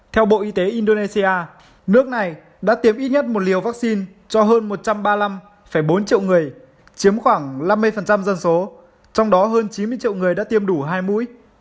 theo bộ y tế indonesia nước này đã tiêm ít nhất một liều vaccine cho hơn một trăm ba mươi năm bốn triệu người chiếm khoảng năm mươi dân số trong đó hơn chín mươi triệu người đã tiêm đủ hai mũi